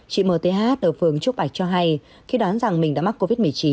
chị mth ở phường trúc bạch cho hay khi đoán rằng mình đã mắc covid một mươi chín